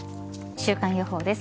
週間予報です。